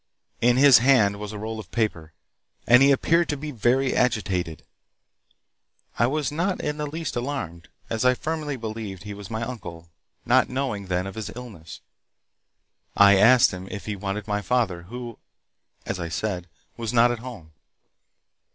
In his hand was a roll of paper, and he appeared to be very agitated. I was not in the least alarmed, as I firmly believed he was my uncle, not knowing then of his illness. I asked him if he wanted my father, who, as I said, was not at home.